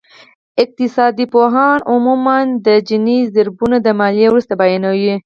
اقتصادپوهان عموماً د جیني ضریبونه د ماليې وروسته بیانوي